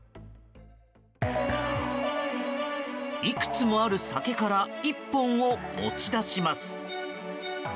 いくつもある酒から１本を持ち出します。